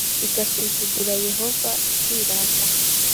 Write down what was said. igasuzugura Yehova ikirata